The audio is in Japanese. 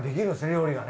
料理がね。